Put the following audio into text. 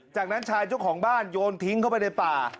จากนั้นชายเจ้าของบ้านโยนทิ้งเข้าไปในป่า